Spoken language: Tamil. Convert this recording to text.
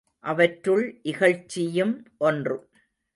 அவற்றுள் இகழ்ச்சியும் ஒன்று.